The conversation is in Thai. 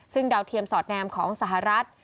ซึ่งดาวเทียมสอดแนมของสหรัฐ